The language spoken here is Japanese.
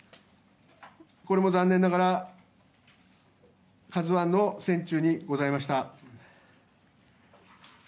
これも残念ながら「ＫＡＺＵ１」の船中にございました。